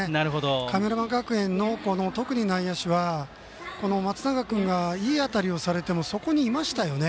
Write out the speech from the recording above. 神村学園の特に内野手は松永君が、いい当たりをされてもそこにいましたよね。